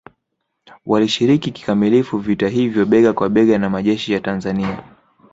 Walishiriki kikamilifu vita hivyo bega kwa bega na majeshi ya Tanzania